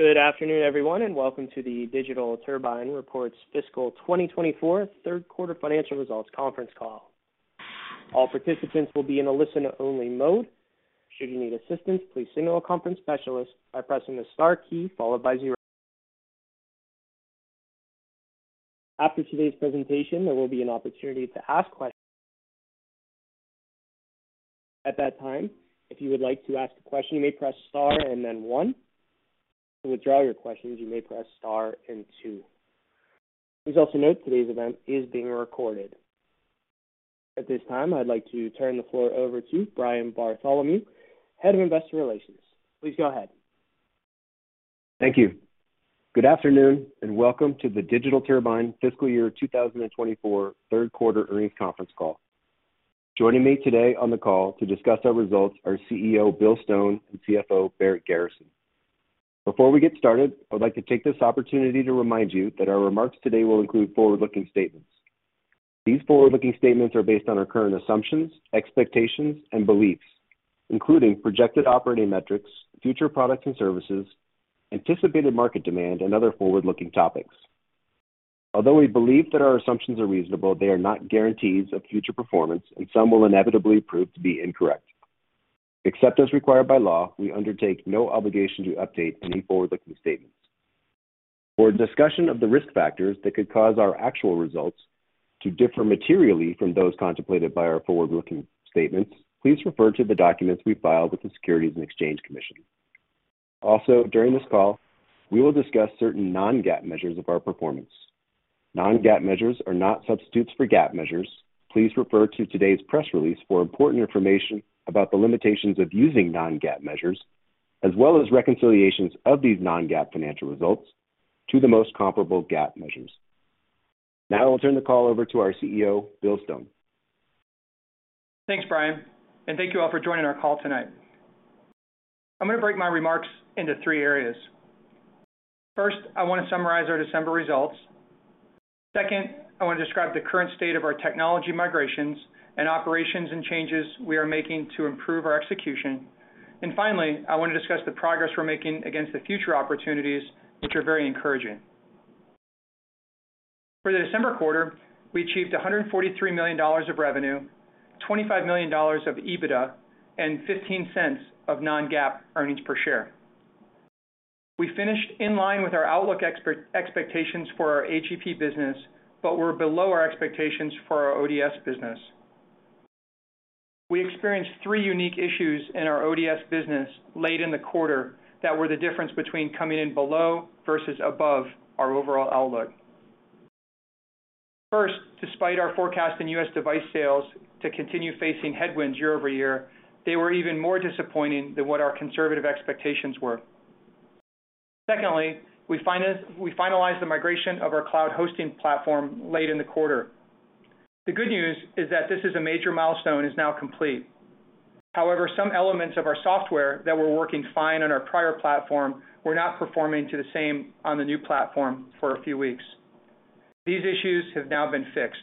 Good afternoon, everyone, and welcome to the Digital Turbine Report's Fiscal 2024 Third Quarter Financial Results Conference Call. All participants will be in a listen-only mode. Should you need assistance, please signal a conference specialist by pressing the star key followed by zero. After today's presentation, there will be an opportunity to ask questions. At that time, if you would like to ask a question, you may press star and then one. To withdraw your questions, you may press star and two. Please also note today's event is being recorded. At this time, I'd like to turn the floor over to Brian Bartholomew, Head of Investor Relations. Please go ahead. Thank you. Good afternoon, and welcome to the Digital Turbine Fiscal Year 2024 third quarter earnings conference call. Joining me today on the call to discuss our results are CEO, Bill Stone, and CFO, Barrett Garrison. Before we get started, I would like to take this opportunity to remind you that our remarks today will include forward-looking statements. These forward-looking statements are based on our current assumptions, expectations, and beliefs, including projected operating metrics, future products and services, anticipated market demand, and other forward-looking topics. Although we believe that our assumptions are reasonable, they are not guarantees of future performance, and some will inevitably prove to be incorrect. Except as required by law, we undertake no obligation to update any forward-looking statements. For a discussion of the risk factors that could cause our actual results to differ materially from those contemplated by our forward-looking statements, please refer to the documents we've filed with the Securities and Exchange Commission. Also, during this call, we will discuss certain non-GAAP measures of our performance. Non-GAAP measures are not substitutes for GAAP measures. Please refer to today's press release for important information about the limitations of using non-GAAP measures, as well as reconciliations of these non-GAAP financial results to the most comparable GAAP measures. Now I will turn the call over to our CEO, Bill Stone. Thanks, Brian, and thank you all for joining our call tonight. I'm going to break my remarks into three areas. First, I want to summarize our December results. Second, I want to describe the current state of our technology migrations and operations and changes we are making to improve our execution. And finally, I want to discuss the progress we're making against the future opportunities, which are very encouraging. For the December quarter, we achieved $143 million of revenue, $25 million of EBITDA, and $0.15 of non-GAAP earnings per share. We finished in line with our outlook expectations for our AGP business, but were below our expectations for our ODS business. We experienced three unique issues in our ODS business late in the quarter that were the difference between coming in below versus above our overall outlook. First, despite our forecast in U.S. device sales to continue facing headwinds year-over-year, they were even more disappointing than what our conservative expectations were. Secondly, we finalized the migration of our cloud hosting platform late in the quarter. The good news is that this is a major milestone is now complete. However, some elements of our software that were working fine on our prior platform were not performing to the same on the new platform for a few weeks. These issues have now been fixed.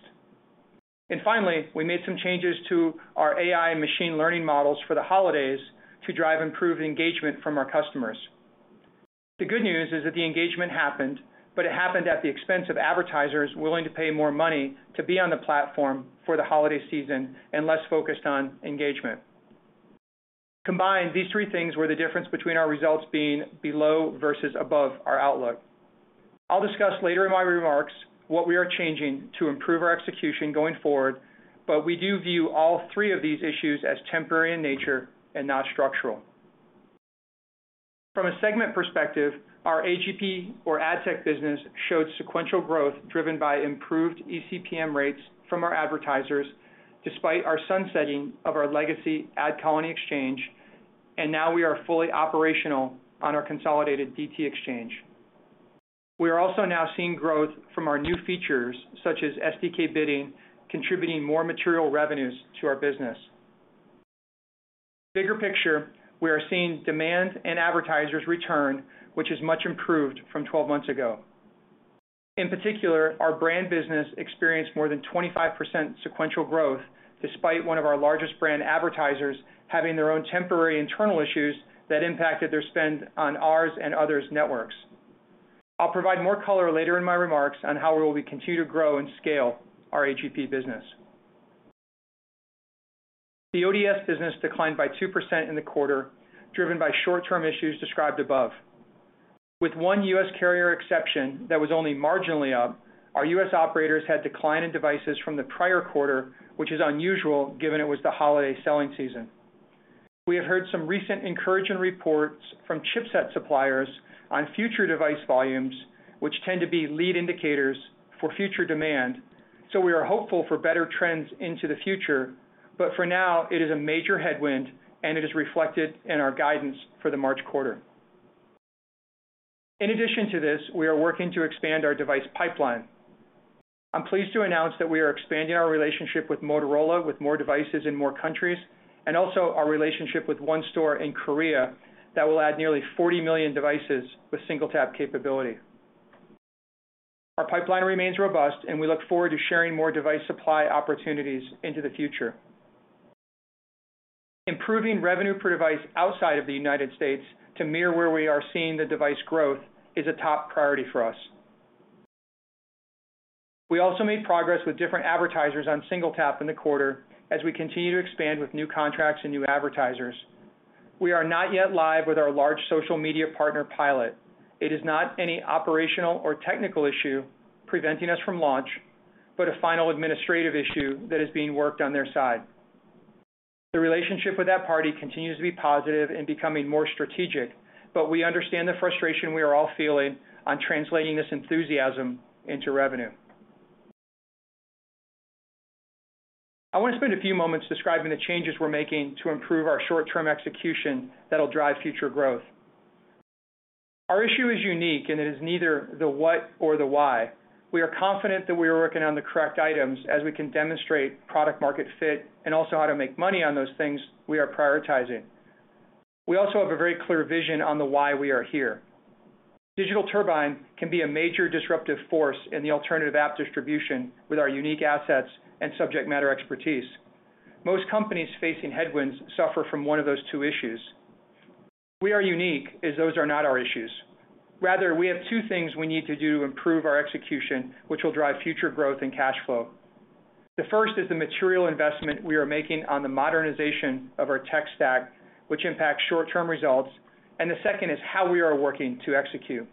And finally, we made some changes to our AI and machine learning models for the holidays to drive improved engagement from our customers. The good news is that the engagement happened, but it happened at the expense of advertisers willing to pay more money to be on the platform for the holiday season and less focused on engagement. Combined, these three things were the difference between our results being below versus above our outlook. I'll discuss later in my remarks what we are changing to improve our execution going forward, but we do view all three of these issues as temporary in nature and not structural. From a segment perspective, our AGP or Adtech business showed sequential growth, driven by improved eCPM rates from our advertisers, despite our sunsetting of our legacy AdColony exchange, and now we are fully operational on our consolidated DT Exchange. We are also now seeing growth from our new features, such as SDK Bidding, contributing more material revenues to our business. Bigger picture, we are seeing demand and advertisers return, which is much improved from 12 months ago. In particular, our brand business experienced more than 25% sequential growth, despite one of our largest brand advertisers having their own temporary internal issues that impacted their spend on ours and others' networks. I'll provide more color later in my remarks on how we will continue to grow and scale our AGP business. The ODS business declined by 2% in the quarter, driven by short-term issues described above. With one U.S. carrier exception that was only marginally up, our U.S. operators had decline in devices from the prior quarter, which is unusual given it was the holiday selling season. We have heard some recent encouraging reports from chipset suppliers on future device volumes, which tend to be lead indicators for future demand, so we are hopeful for better trends into the future, but for now, it is a major headwind, and it is reflected in our guidance for the March quarter. In addition to this, we are working to expand our device pipeline. I'm pleased to announce that we are expanding our relationship with Motorola, with more devices in more countries, and also our relationship with ONE Store in Korea, that will add nearly 40 million devices with SingleTap capability. Our pipeline remains robust, and we look forward to sharing more device supply opportunities into the future. Improving revenue per device outside of the United States to mirror where we are seeing the device growth is a top priority for us. We also made progress with different advertisers on SingleTap in the quarter as we continue to expand with new contracts and new advertisers. We are not yet live with our large social media partner pilot. It is not any operational or technical issue preventing us from launch, but a final administrative issue that is being worked on their side. The relationship with that party continues to be positive and becoming more strategic, but we understand the frustration we are all feeling on translating this enthusiasm into revenue. I want to spend a few moments describing the changes we're making to improve our short-term execution that'll drive future growth. Our issue is unique, and it is neither the what or the why. We are confident that we are working on the correct items as we can demonstrate product market fit and also how to make money on those things we are prioritizing. We also have a very clear vision on the why we are here. Digital Turbine can be a major disruptive force in the alternative app distribution with our unique assets and subject matter expertise. Most companies facing headwinds suffer from one of those two issues. We are unique, as those are not our issues. Rather, we have two things we need to do to improve our execution, which will drive future growth and cash flow. The first is the material investment we are making on the modernization of our tech stack, which impacts short-term results, and the second is how we are working to execute.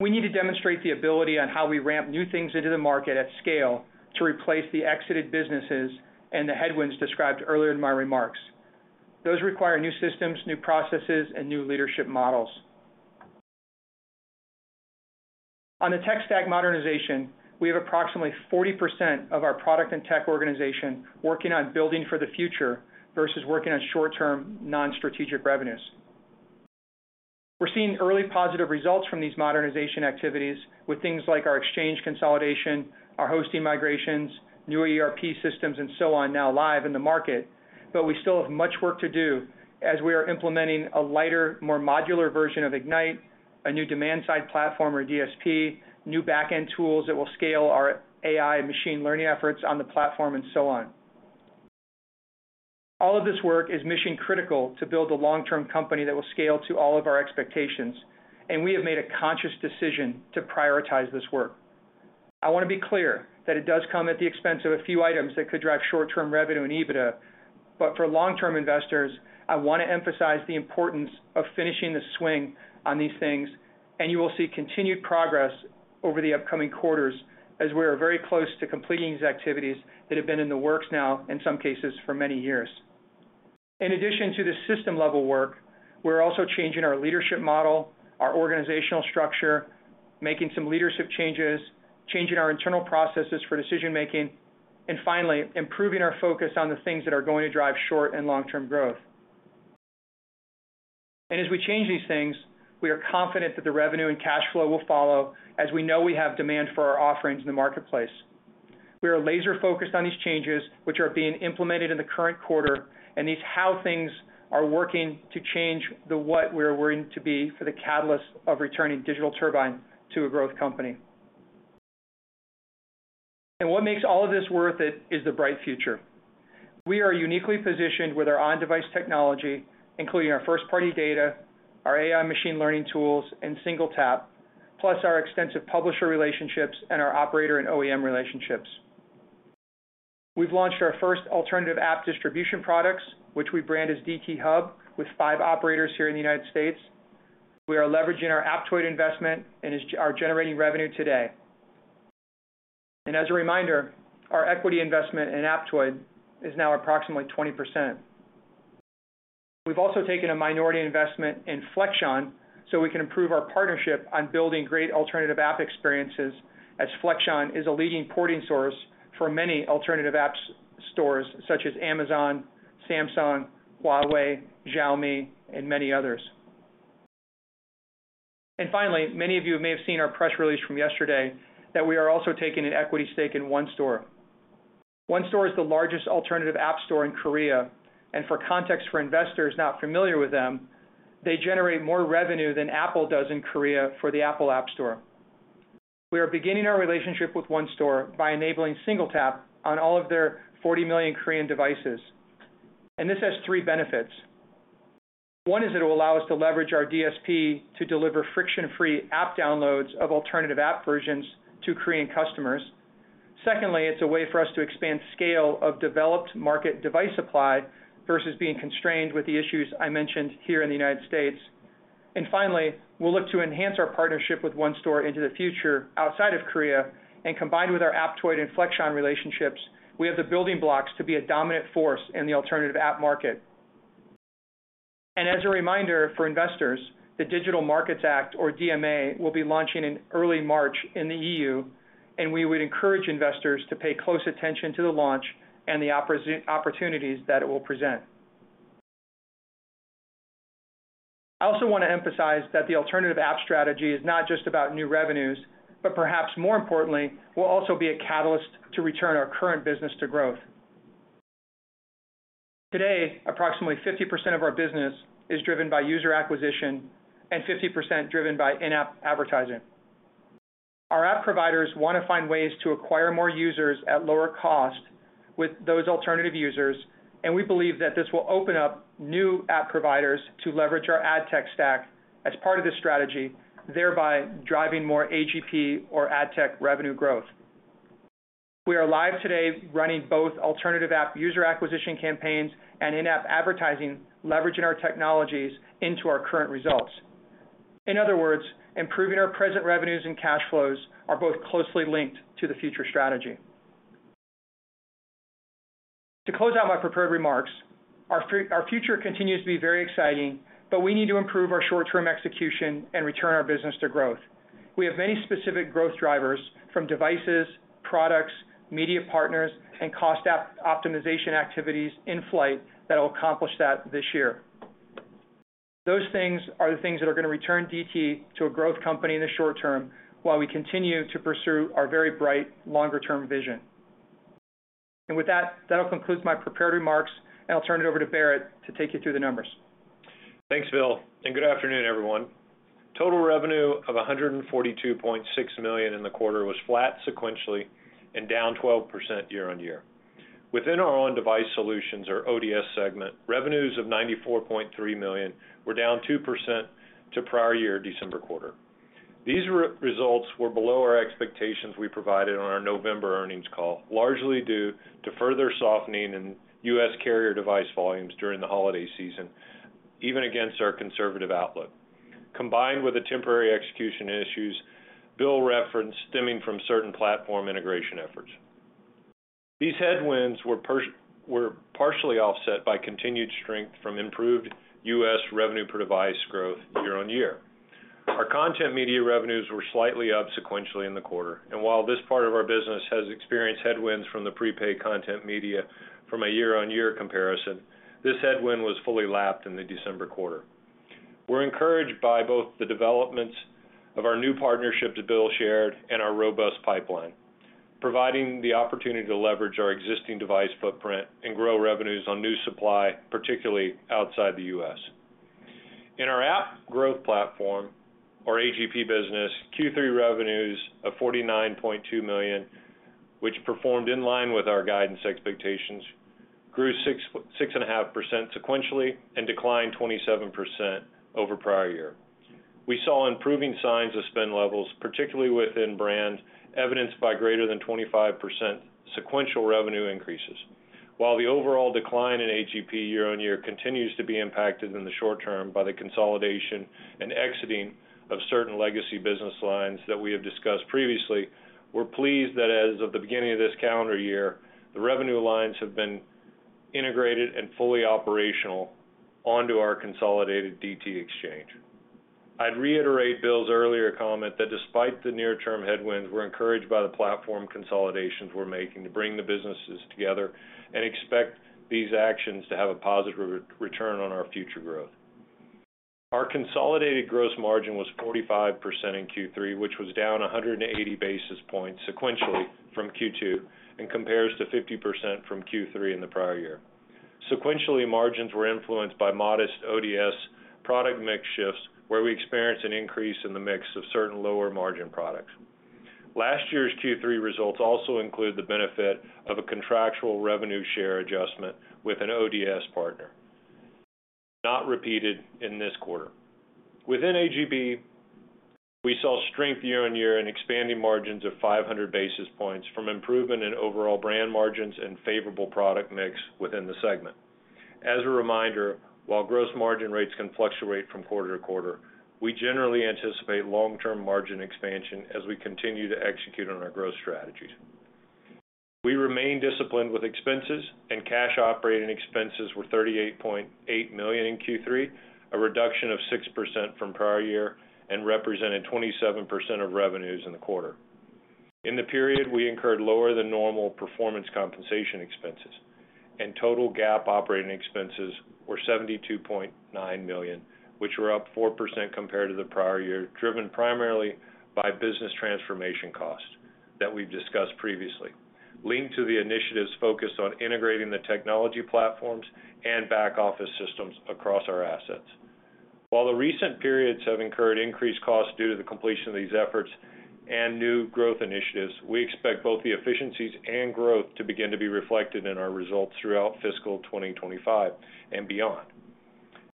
We need to demonstrate the ability on how we ramp new things into the market at scale to replace the exited businesses and the headwinds described earlier in my remarks. Those require new systems, new processes, and new leadership models. On the tech stack modernization, we have approximately 40% of our product and tech organization working on building for the future versus working on short-term, non-strategic revenues. We're seeing early positive results from these modernization activities with things like our exchange consolidation, our hosting migrations, new ERP systems, and so on, now live in the market. But we still have much work to do as we are implementing a lighter, more modular version of Ignite, a new demand-side platform or DSP, new back-end tools that will scale our AI machine learning efforts on the platform, and so on. All of this work is mission-critical to build a long-term company that will scale to all of our expectations, and we have made a conscious decision to prioritize this work. I want to be clear that it does come at the expense of a few items that could drive short-term revenue and EBITDA, but for long-term investors, I want to emphasize the importance of finishing the swing on these things, and you will see continued progress over the upcoming quarters as we are very close to completing these activities that have been in the works now, in some cases, for many years. In addition to the system-level work, we're also changing our leadership model, our organizational structure, making some leadership changes, changing our internal processes for decision-making, and finally, improving our focus on the things that are going to drive short and long-term growth. As we change these things, we are confident that the revenue and cash flow will follow, as we know we have demand for our offerings in the marketplace. We are laser-focused on these changes, which are being implemented in the current quarter, and these how things are working to change the what we are going to be for the catalyst of returning Digital Turbine to a growth company. What makes all of this worth it is the bright future. We are uniquely positioned with our on-device technology, including our first-party data, our AI machine learning tools, and SingleTap, plus our extensive publisher relationships and our operator and OEM relationships. We've launched our first alternative app distribution products, which we brand as DT Hub, with five operators here in the United States. We are leveraging our Aptoide investment and are generating revenue today. As a reminder, our equity investment in Aptoide is now approximately 20%. We've also taken a minority investment in Flexion, so we can improve our partnership on building great alternative app experiences, as Flexion is a leading porting source for many alternative App Stores such as Amazon, Samsung, Huawei, Xiaomi, and many others. Finally, many of you may have seen our press release from yesterday that we are also taking an equity stake in ONE Store. ONE Store is the largest alternative App Store in Korea, and for context for investors not familiar with them, they generate more revenue than Apple does in Korea for the Apple App Store. We are beginning our relationship with ONE Store by enabling SingleTap on all of their 40 million Korean devices, and this has three benefits. One is it will allow us to leverage our DSP to deliver friction-free app downloads of alternative app versions to Korean customers. Secondly, it's a way for us to expand scale of developed market device supply versus being constrained with the issues I mentioned here in the United States. And finally, we'll look to enhance our partnership with ONE Store into the future outside of Korea, and combined with our Aptoide and Flexion relationships, we have the building blocks to be a dominant force in the alternative app market. And as a reminder for investors, the Digital Markets Act, or DMA, will be launching in early March in the EU, and we would encourage investors to pay close attention to the launch and the opportunities that it will present. I also want to emphasize that the alternative app strategy is not just about new revenues, but perhaps more importantly, will also be a catalyst to return our current business to growth. Today, approximately 50% of our business is driven by user acquisition and 50% driven by in-app advertising. Our app providers want to find ways to acquire more users at lower cost with those alternative users, and we believe that this will open up new app providers to leverage our ad tech stack as part of this strategy, thereby driving more AGP or ad tech revenue growth. We are live today running both alternative app user acquisition campaigns and in-app advertising, leveraging our technologies into our current results. In other words, improving our present revenues and cash flows are both closely linked to the future strategy. To close out my prepared remarks, our future continues to be very exciting, but we need to improve our short-term execution and return our business to growth. We have many specific growth drivers, from devices, products, media partners, and cost optimization activities in flight that will accomplish that this year. Those things are the things that are going to return DT to a growth company in the short term, while we continue to pursue our very bright, longer-term vision. With that, that'll conclude my prepared remarks, and I'll turn it over to Barrett to take you through the numbers. Thanks, Bill, and good afternoon, everyone. Total revenue of $142.6 million in the quarter was flat sequentially and down 12% year-on-year. Within our On Device Solutions, our ODS segment, revenues of $94.3 million were down 2% to prior year, December quarter. These results were below our expectations we provided on our November earnings call, largely due to further softening in U.S. carrier device volumes during the holiday season, even against our conservative outlook, combined with the temporary execution issues Bill referenced stemming from certain platform integration efforts. These headwinds were partially offset by continued strength from improved U.S. revenue per device growth year-on-year. Our content media revenues were slightly up sequentially in the quarter, and while this part of our business has experienced headwinds from the prepaid content media from a year-on-year comparison, this headwind was fully lapped in the December quarter. We're encouraged by both the developments of our new partnerships that Bill shared and our robust pipeline, providing the opportunity to leverage our existing device footprint and grow revenues on new supply, particularly outside the U.S. In our App Growth Platform, our AGP business, Q3 revenues of $49.2 million, which performed in line with our guidance expectations, grew 6.5% sequentially and declined 27% year-over-year. We saw improving signs of spend levels, particularly within brand, evidenced by greater than 25% sequential revenue increases. While the overall decline in AGP year-on-year continues to be impacted in the short term by the consolidation and exiting of certain legacy business lines that we have discussed previously, we're pleased that as of the beginning of this calendar year, the revenue lines have been integrated and fully operational onto our consolidated DT Exchange. I'd reiterate Bill's earlier comment that despite the near-term headwinds, we're encouraged by the platform consolidations we're making to bring the businesses together and expect these actions to have a positive return on our future growth. Our consolidated gross margin was 45% in Q3, which was down 180 basis points sequentially from Q2 and compares to 50% from Q3 in the prior year. Sequentially, margins were influenced by modest ODS product mix shifts, where we experienced an increase in the mix of certain lower-margin products. Last year's Q3 results also include the benefit of a contractual revenue share adjustment with an ODS partner, not repeated in this quarter. Within AGP, we saw strength year-on-year in expanding margins of 500 basis points from improvement in overall brand margins and favorable product mix within the segment. As a reminder, while gross margin rates can fluctuate from quarter-to-quarter, we generally anticipate long-term margin expansion as we continue to execute on our growth strategies. We remain disciplined with expenses, and cash operating expenses were $38.8 million in Q3, a reduction of 6% from prior year and represented 27% of revenues in the quarter. In the period, we incurred lower-than-normal performance compensation expenses, and total GAAP operating expenses were $72.9 million, which were up 4% compared to the prior year, driven primarily by business transformation costs that we've discussed previously, linked to the initiatives focused on integrating the technology platforms and back-office systems across our assets. While the recent periods have incurred increased costs due to the completion of these efforts and new growth initiatives, we expect both the efficiencies and growth to begin to be reflected in our results throughout fiscal 2025 and beyond.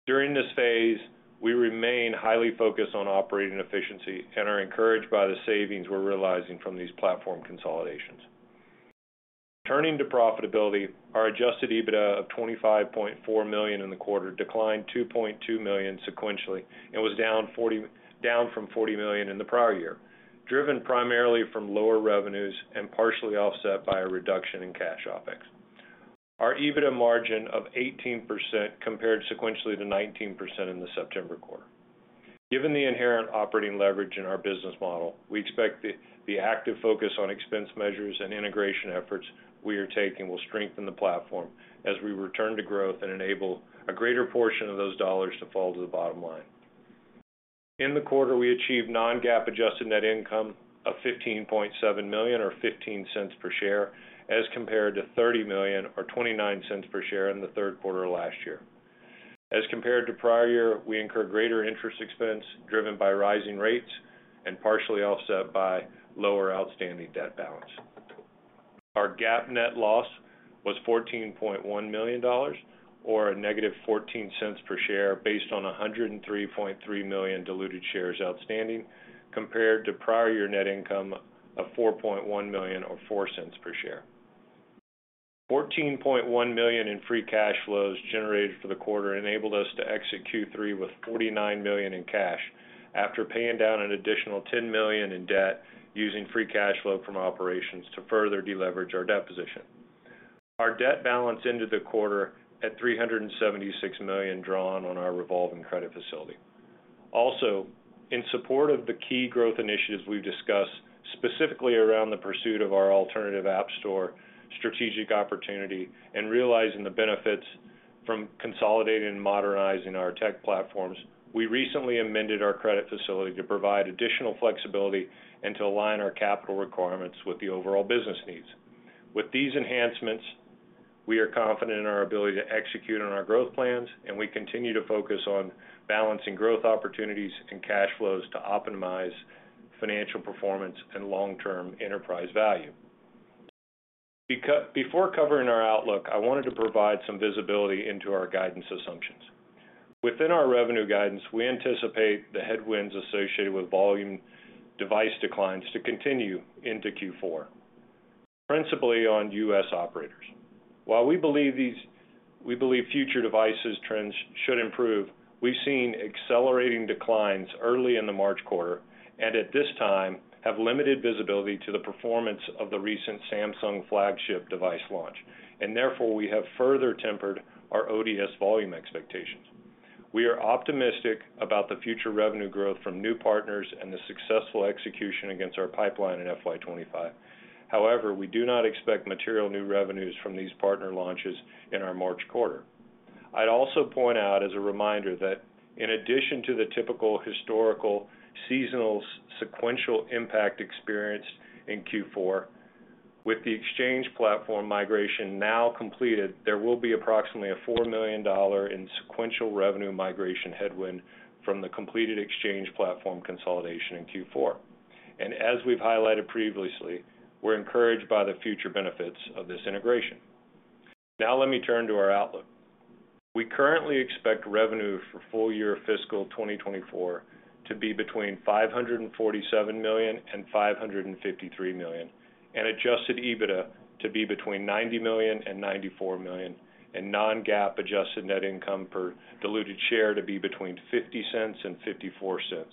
During this phase, we remain highly focused on operating efficiency and are encouraged by the savings we're realizing from these platform consolidations. Turning to profitability, our Adjusted EBITDA of $25.4 million in the quarter declined $2.2 million sequentially and was down from $40 million in the prior year, driven primarily from lower revenues and partially offset by a reduction in cash OpEx. Our EBITDA margin of 18% compared sequentially to 19% in the September quarter. Given the inherent operating leverage in our business model, we expect the active focus on expense measures and integration efforts we are taking will strengthen the platform as we return to growth and enable a greater portion of those dollars to fall to the bottom line. In the quarter, we achieved non-GAAP adjusted net income of $15.7 million, or $0.15 per share, as compared to $30 million or $0.29 per share in the third quarter of last year. As compared to prior year, we incurred greater interest expense driven by rising rates and partially offset by lower outstanding debt balance. Our GAAP net loss was $14.1 million, or a negative $0.14 per share, based on 103.3 million diluted shares outstanding, compared to prior year net income of $4.1 million or $0.04 per share. $14.1 million in free cash flows generated for the quarter enabled us to exit Q3 with $49 million in cash, after paying down an additional $10 million in debt using free cash flow from operations to further deleverage our debt position. Our debt balance ended the quarter at $376 million, drawn on our revolving credit facility. Also, in support of the key growth initiatives we've discussed, specifically around the pursuit of our alternative App Store strategic opportunity and realizing the benefits from consolidating and modernizing our tech platforms, we recently amended our credit facility to provide additional flexibility and to align our capital requirements with the overall business needs. With these enhancements, we are confident in our ability to execute on our growth plans, and we continue to focus on balancing growth opportunities and cash flows to optimize financial performance and long-term enterprise value. Before covering our outlook, I wanted to provide some visibility into our guidance assumptions. Within our revenue guidance, we anticipate the headwinds associated with volume device declines to continue into Q4, principally on U.S. operators. While we believe these future device trends should improve, we've seen accelerating declines early in the March quarter and, at this time, have limited visibility to the performance of the recent Samsung flagship device launch, and therefore, we have further tempered our ODS volume expectations. We are optimistic about the future revenue growth from new partners and the successful execution against our pipeline in FY 2025. However, we do not expect material new revenues from these partner launches in our March quarter. I'd also point out, as a reminder, that in addition to the typical historical seasonal sequential impact experienced in Q4, with the exchange platform migration now completed, there will be approximately a $4 million sequential revenue migration headwind from the completed exchange platform consolidation in Q4. As we've highlighted previously, we're encouraged by the future benefits of this integration. Now let me turn to our outlook. We currently expect revenue for full year fiscal 2024 to be between $547 million and $553 million, and Adjusted EBITDA to be between $90 million and $94 million, and non-GAAP adjusted net income per diluted share to be between $0.50 and $0.54,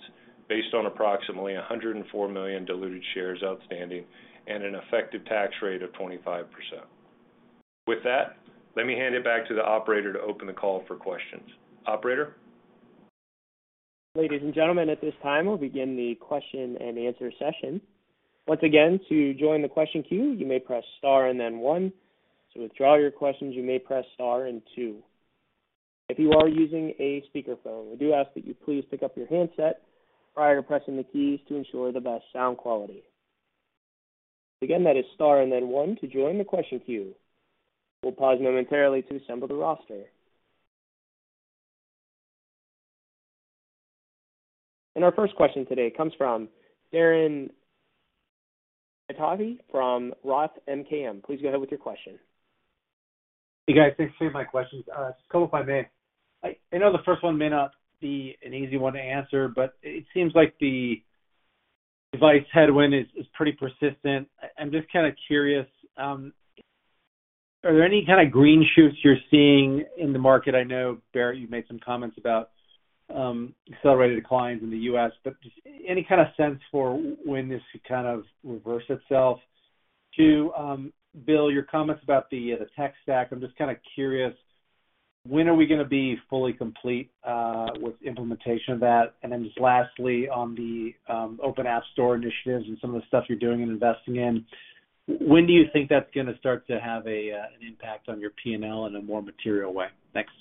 based on approximately 104 million diluted shares outstanding and an effective tax rate of 25%. With that, let me hand it back to the operator to open the call for questions. Operator? Ladies and gentlemen, at this time, we'll begin the question-and-answer session. Once again, to join the question queue, you may press star and then one. To withdraw your questions, you may press star and two. If you are using a speakerphone, we do ask that you please pick up your handset prior to pressing the keys to ensure the best sound quality. Again, that is star and then one to join the question queue. We'll pause momentarily to assemble the roster. Our first question today comes from Darren Aftahi from Roth MKM. Please go ahead with your question. Hey, guys. Thanks for taking my questions. Just a couple, if I may. I know the first one may not be an easy one to answer, but it seems like the device headwind is pretty persistent. I'm just kind of curious, are there any kind of green shoots you're seeing in the market? I know, Barrett, you've made some comments about accelerated declines in the U.S., but just any kind of sense for when this could kind of reverse itself? Two, Bill, your comments about the tech stack, I'm just kind of curious, when are we gonna be fully complete with implementation of that? And then just lastly, on the open App Store initiatives and some of the stuff you're doing and investing in, when do you think that's gonna start to have an impact on your P&L in a more material way? Thanks.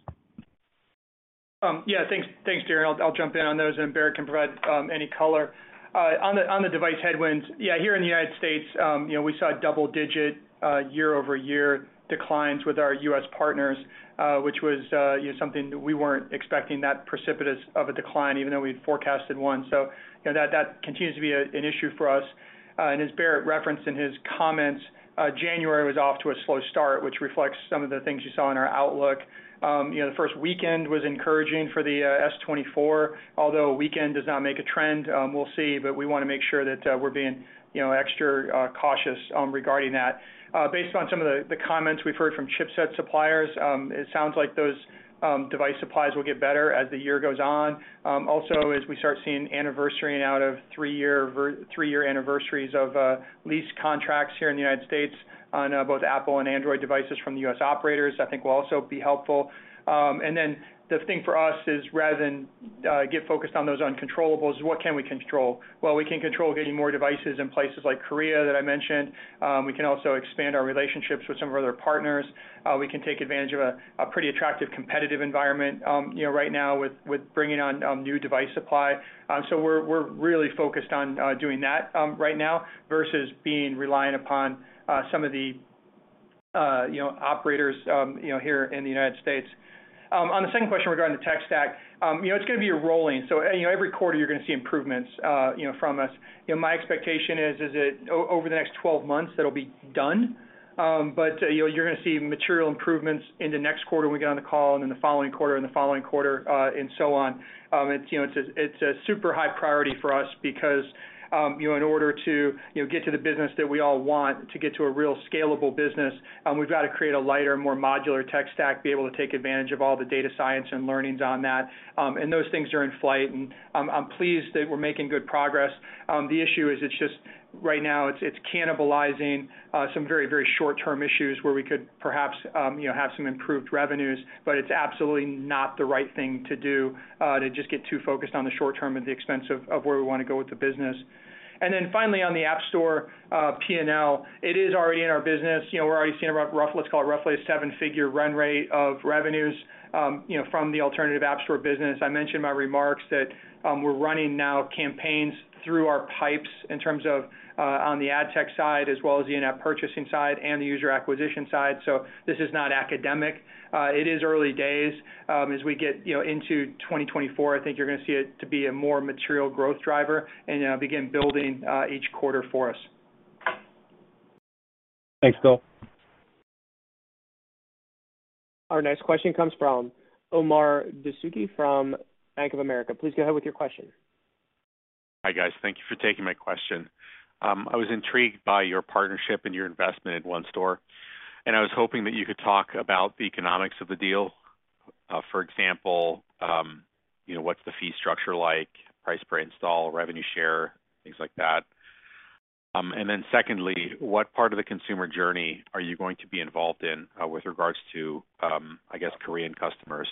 Yeah, thanks. Thanks, Darren. I'll jump in on those, and Barrett can provide any color. On the device headwinds, yeah, here in the United States, you know, we saw a double-digit year-over-year declines with our U.S. partners, which was, you know, something that we weren't expecting that precipitous of a decline, even though we'd forecasted one. So you know, that continues to be an issue for us. And as Barrett referenced in his comments, January was off to a slow start, which reflects some of the things you saw in our outlook. You know, the first weekend was encouraging for the S24, although a weekend does not make a trend. We'll see, but we wanna make sure that we're being, you know, extra cautious regarding that. Based on some of the comments we've heard from chipset suppliers, it sounds like those device supplies will get better as the year goes on. Also, as we start seeing anniversary and three-year anniversaries of lease contracts here in the United States on both Apple and Android devices from the U.S. operators, I think will also be helpful. And then the thing for us is, rather than get focused on those uncontrollables, is what can we control? Well, we can control getting more devices in places like Korea that I mentioned. We can also expand our relationships with some of our other partners. We can take advantage of a pretty attractive competitive environment, you know, right now with bringing on new device supply. So we're really focused on doing that right now versus being reliant upon some of the device- you know, operators, you know, here in the United States. On the second question regarding the tech stack, you know, it's gonna be a rolling. So, you know, every quarter you're gonna see improvements, you know, from us. You know, my expectation is that over the next 12 months, that'll be done. But, you know, you're gonna see material improvements in the next quarter when we get on the call and in the following quarter, and the following quarter, and so on. It's, you know, it's a super high priority for us because, you know, in order to, you know, get to the business that we all want, to get to a real scalable business, we've got to create a lighter, more modular tech stack, be able to take advantage of all the data science and learnings on that. And those things are in flight, and I'm pleased that we're making good progress. The issue is it's just, right now, it's cannibalizing some very, very short-term issues where we could perhaps, you know, have some improved revenues, but it's absolutely not the right thing to do, to just get too focused on the short term at the expense of where we wanna go with the business. Then finally, on the App Store, P&L, it is already in our business. You know, we're already seeing rough- let's call it roughly a seven-figure run rate of revenues, you know, from the alternative App Store business. I mentioned in my remarks that, we're running now campaigns through our pipes in terms of, on the ad tech side, as well as the in-app purchasing side and the user acquisition side. So this is not academic. It is early days. As we get, you know, into 2024, I think you're gonna see it to be a more material growth driver and, begin building, each quarter for us. Thanks, Bill. Our next question comes from Omar Dessouki from Bank of America. Please go ahead with your question. Hi, guys. Thank you for taking my question. I was intrigued by your partnership and your investment in ONE Store, and I was hoping that you could talk about the economics of the deal. For example, you know, what's the fee structure like, price per install, revenue share, things like that. And then secondly, what part of the consumer journey are you going to be involved in, with regards to, I guess, Korean customers?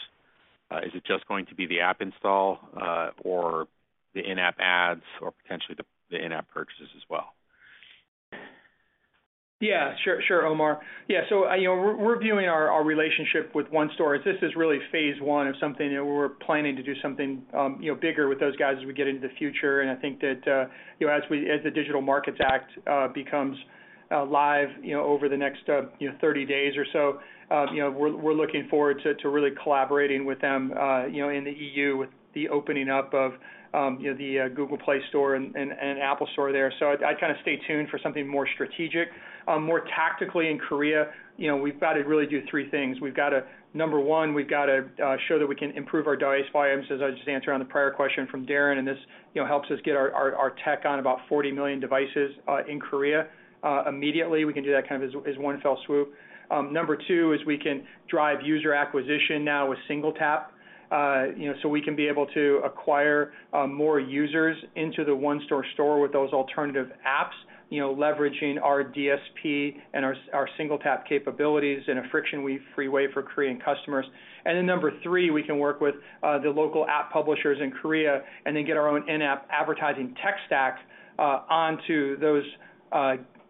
Is it just going to be the app install, or the in-app ads, or potentially the in-app purchases as well? Yeah, sure, sure, Omar. Yeah, so, you know, we're viewing our relationship with ONE Store as this is really phase one of something, and we're planning to do something, you know, bigger with those guys as we get into the future. And I think that, you know, as the Digital Markets Act becomes live, you know, over the next, you know, 30 days or so, you know, we're looking forward to really collaborating with them, you know, in the EU, with the opening up of, you know, the Google Play Store and Apple Store there. So I'd kind of stay tuned for something more strategic. More tactically in Korea, you know, we've got to really do three things. We've got to... Number one, we've got to show that we can improve our DAU/MAUs, as I just answered on the prior question from Darren, and this, you know, helps us get our tech on about 40 million devices in Korea immediately. We can do that kind of as one fell swoop. Number two is we can drive user acquisition now with SingleTap, you know, so we can be able to acquire more users into the ONE Store store with those alternative apps, you know, leveraging our DSP and our SingleTap capabilities in a friction-free way for Korean customers. And then number three, we can work with the local app publishers in Korea and then get our own in-app advertising tech stack onto those,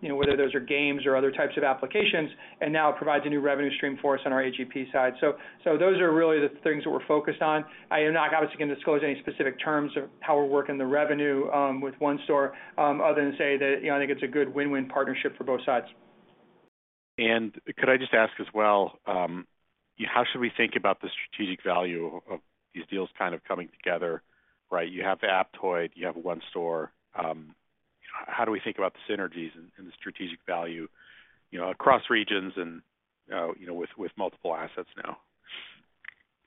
you know, whether those are games or other types of applications, and now it provides a new revenue stream for us on our AGP side. So, so those are really the things that we're focused on. I am not obviously going to disclose any specific terms of how we're working the revenue with ONE Store other than say that, you know, I think it's a good win-win partnership for both sides. Could I just ask as well, how should we think about the strategic value of these deals kind of coming together, right? You have Aptoide, you have ONE Store. How do we think about the synergies and the strategic value, you know, across regions and you know, with multiple assets now?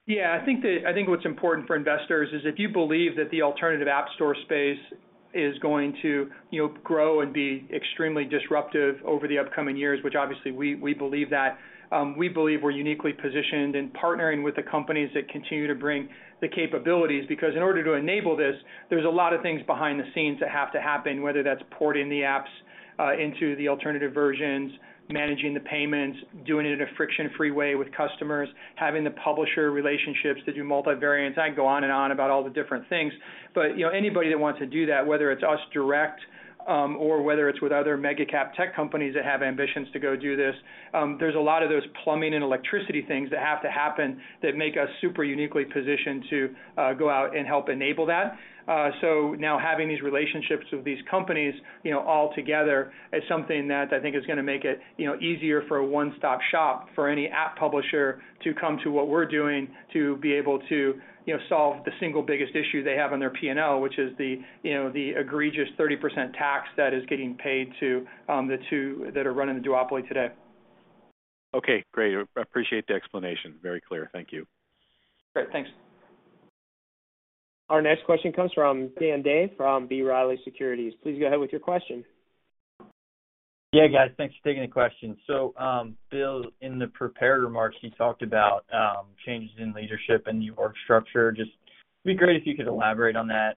Yeah, I think what's important for investors is if you believe that the alternative App Store space is going to, you know, grow and be extremely disruptive over the upcoming years, which obviously we, we believe that, we believe we're uniquely positioned in partnering with the companies that continue to bring the capabilities. Because in order to enable this, there's a lot of things behind the scenes that have to happen, whether that's porting the apps into the alternative versions, managing the payments, doing it in a friction-free way with customers, having the publisher relationships to do multivariate. I can go on and on about all the different things, but, you know, anybody that wants to do that, whether it's us direct, or whether it's with other mega cap tech companies that have ambitions to go do this, there's a lot of those plumbing and electricity things that have to happen that make us super uniquely positioned to, go out and help enable that. So now having these relationships with these companies, you know, all together is something that I think is gonna make it, you know, easier for a one-stop shop for any app publisher to come to what we're doing, to be able to, you know, solve the single biggest issue they have on their P&L, which is the, you know, the egregious 30% tax that is getting paid to, the two that are running the duopoly today. Okay, great. I appreciate the explanation. Very clear. Thank you. Great. Thanks. Our next question comes from Dan Day from B. Riley Securities. Please go ahead with your question. Yeah, guys, thanks for taking the question. So, Bill, in the prepared remarks, you talked about changes in leadership and new org structure. Just it'd be great if you could elaborate on that.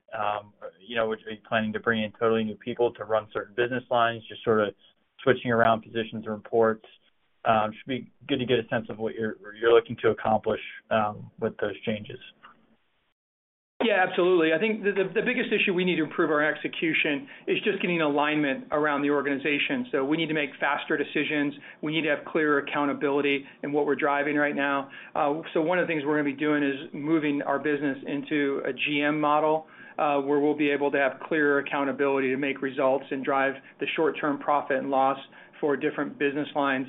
You know, would you be planning to bring in totally new people to run certain business lines, just sort of switching around positions or reports? It should be good to get a sense of what you're looking to accomplish with those changes. Yeah, absolutely. I think the biggest issue we need to improve our execution is just getting alignment around the organization. So we need to make faster decisions. We need to have clearer accountability in what we're driving right now. So one of the things we're gonna be doing is moving our business into a GM model, where we'll be able to have clearer accountability to make results and drive the short-term profit and loss for different business lines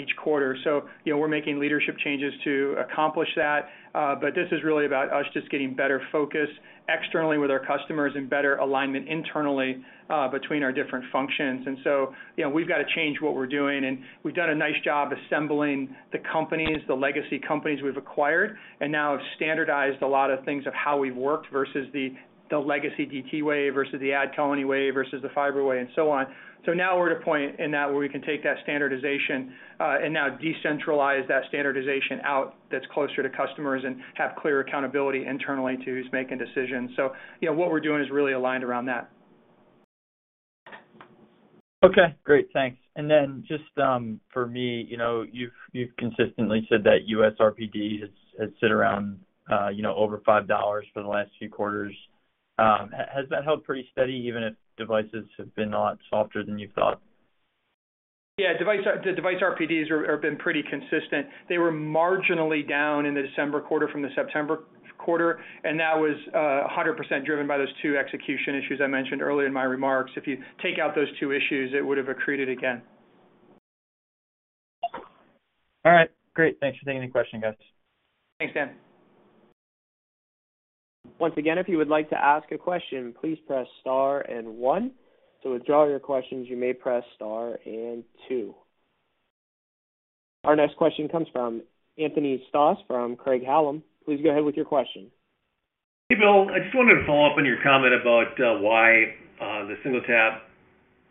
each quarter. So, you know, we're making leadership changes to accomplish that. But this is really about us just getting better focus externally with our customers and better alignment internally between our different functions. And so, you know, we've got to change what we're doing, and we've done a nice job assembling the companies, the legacy companies we've acquired, and now have standardized a lot of things of how we've worked versus the, the legacy DT way versus the AdColony way versus the Fyber way and so on. So now we're at a point in that where we can take that standardization, and now decentralize that standardization out that's closer to customers and have clear accountability internally to who's making decisions. So, you know, what we're doing is really aligned around that. Okay, great. Thanks. And then just for me, you know, you've consistently said that U.S. RPD has sat around, you know, over $5 for the last few quarters. Has that held pretty steady, even if devices have been a lot softer than you thought? Yeah, device, the device RPDs have been pretty consistent. They were marginally down in the December quarter from the September quarter, and that was 100% driven by those two execution issues I mentioned earlier in my remarks. If you take out those two issues, it would have accreted again. All right, great. Thanks for taking the question, guys. Thanks, Dan. Once again, if you would like to ask a question, please press star and one. To withdraw your questions, you may press star and two. Our next question comes from Anthony Stoss, from Craig-Hallum. Please go ahead with your question. Hey, Bill. I just wanted to follow up on your comment about why the SingleTap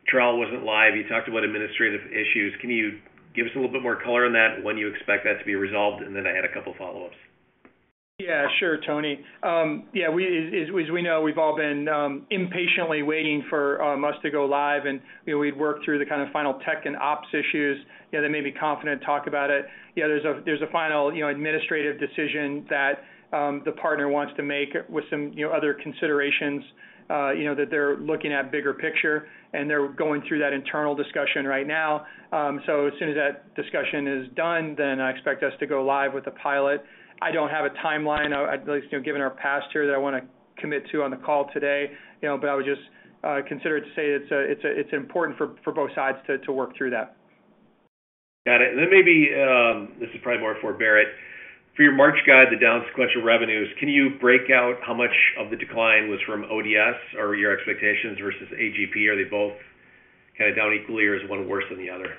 trial wasn't live. You talked about administrative issues. Can you give us a little bit more color on that, when you expect that to be resolved? And then I had a couple follow-ups. Yeah, sure, Tony. Yeah, as we know, we've all been impatiently waiting for us to go live, and, you know, we'd worked through the kind of final tech and ops issues. Yeah, they may be confident to talk about it. Yeah, there's a final, you know, administrative decision that the partner wants to make with some, you know, other considerations, you know, that they're looking at bigger picture, and they're going through that internal discussion right now. So as soon as that discussion is done, then I expect us to go live with the pilot. I don't have a timeline, at least, you know, given our past here, that I want to commit to on the call today, you know. But I would just consider it to say it's important for both sides to work through that. Got it. And then maybe, this is probably more for Barrett. For your March guide, the down sequential revenues, can you break out how much of the decline was from ODS or your expectations versus AGP? Are they both kind of down equally, or is one worse than the other?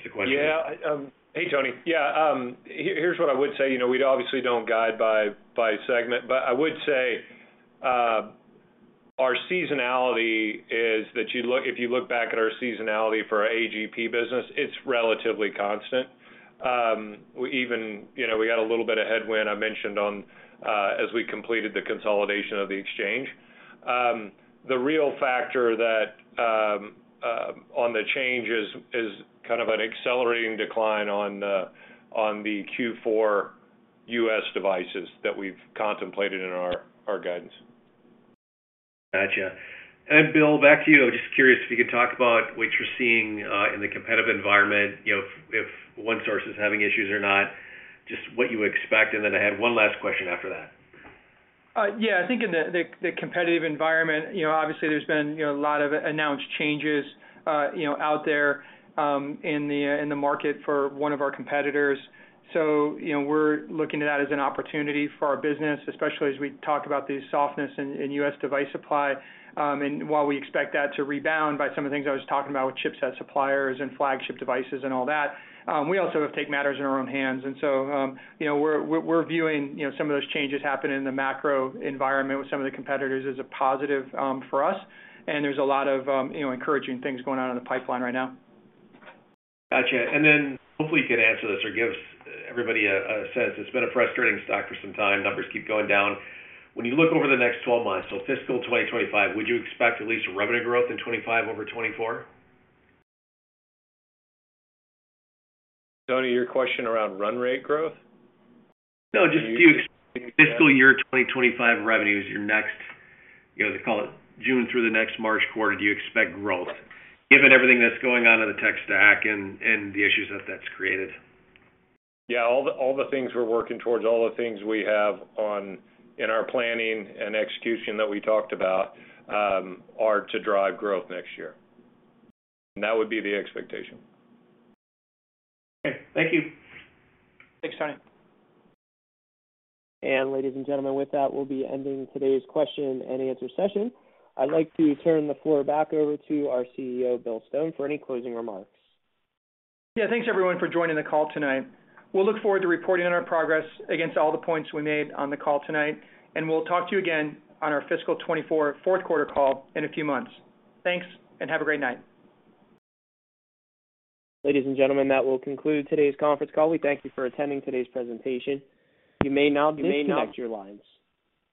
Just a question. Yeah. Hey, Tony. Yeah, here, here's what I would say. You know, we obviously don't guide by, by segment, but I would say, our seasonality is that you look. If you look back at our seasonality for our AGP business, it's relatively constant. We even, you know, we got a little bit of headwind I mentioned on, as we completed the consolidation of the exchange. The real factor that, on the change is, is kind of an accelerating decline on the, on the Q4 U.S. devices that we've contemplated in our, our guidance. Gotcha. And Bill, back to you. I'm just curious if you could talk about what you're seeing in the competitive environment, you know, if one source is having issues or not, just what you expect, and then I had one last question after that. Yeah, I think in the competitive environment, you know, obviously there's been, you know, a lot of announced changes, you know, out there, in the market for one of our competitors. So, you know, we're looking at that as an opportunity for our business, especially as we talk about the softness in U.S. device supply. And while we expect that to rebound by some of the things I was talking about with chipset suppliers and flagship devices and all that, we also have take matters in our own hands. And so, you know, we're viewing, you know, some of those changes happening in the macro environment with some of the competitors as a positive, for us. And there's a lot of, you know, encouraging things going on in the pipeline right now. Gotcha. And then hopefully you can answer this or give everybody a sense. It's been a frustrating stock for some time. Numbers keep going down. When you look over the next 12 months, so fiscal 2025, would you expect at least a revenue growth in 2025 over 2024? Tony, your question around run rate growth? No, just if you fiscal year 2025 revenues, your next, you know, they call it June through the next March quarter, do you expect growth? Given everything that's going on in the tech stack and the issues that that's created. Yeah, all the things we're working towards, all the things we have on in our planning and execution that we talked about are to drive growth next year. That would be the expectation. Okay. Thank you. Thanks, Tony. Ladies and gentlemen, with that, we'll be ending today's question and answer session. I'd like to turn the floor back over to our CEO, Bill Stone, for any closing remarks. Yeah, thanks, everyone, for joining the call tonight. We'll look forward to reporting on our progress against all the points we made on the call tonight, and we'll talk to you again on our fiscal 2024 fourth quarter call in a few months. Thanks, and have a great night. Ladies and gentlemen, that will conclude today's conference call. We thank you for attending today's presentation. You may now disconnect your lines.